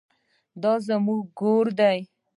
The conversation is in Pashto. دا زموږ ګور دی